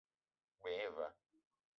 G-beu gne va.